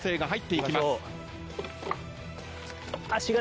いきます